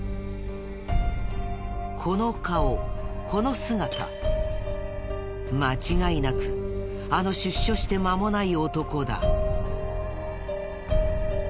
この顔この姿間違いなくあの出所してまもない男だ。